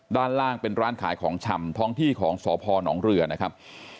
ด้านล่างเป็นร้านขายของชำท้องที่ของสพนเรือนะครับ